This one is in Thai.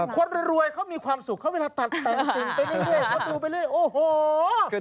คนรวยเขามีความสุขเขาเวลาตัดแต่งจริงไปเรื่อย